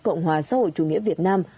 cộng hòa xã hội chủ nghĩa việt nam